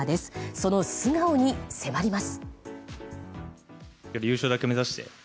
その素顔に迫ります。